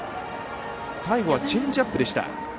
最後はチェンジアップでした。